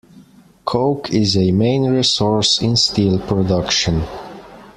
Coke is a main resource in steel production.